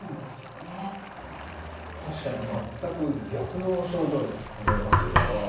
確かに全く逆の症状に思えますよね。